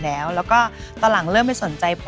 ไม่พอเป็นผู้หญิงจริง